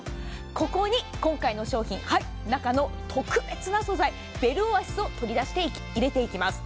ここに今回の商品中の特別な素材、ベルオアシスを取り出して入れていきます。